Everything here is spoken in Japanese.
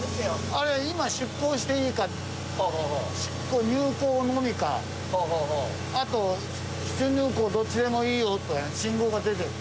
あれ今出航していいか入航のみかあと出入航どっちでもいいよとか信号が出てる。